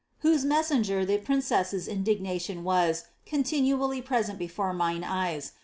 (who>e messenger the princess' indignation was, continually prc^ent > jI.fe mine eyes.)